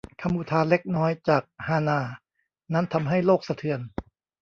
คำอุทานเล็กน้อยจากฮานาด์นั้นทำให้โลกสะเทือน